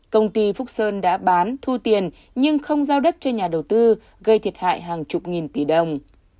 công ty phúc sơn đã bán thu tiền nhưng không giao đất cho nhà đầu tư gây thiệt hại hàng chục nghìn tỷ đồng